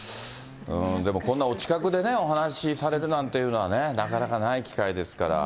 でもこんなお近くでお話されるなんていうのはね、なかなかない機会ですから。